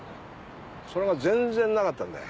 それがぜんぜんなかったんだよ。